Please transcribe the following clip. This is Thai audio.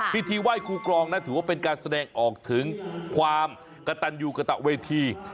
พิธีไหว้ครูกรองนั้นถือว่าเป็นการแสดงออกถึงความกระตันอยู่กระตะเวที